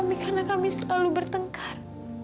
kami karena kami selalu bertengkar